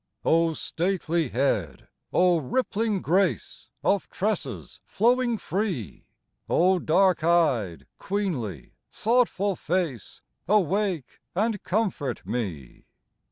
O stately head, O rippling grace Of tresses flowing free, O dark eyed, queenly, thoughtful face, Awake and comfort me.